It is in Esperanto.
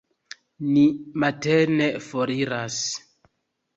Ni matene foriras.